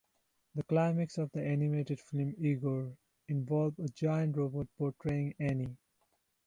The climax of the animated film "Igor" involved a giant robot portraying Annie.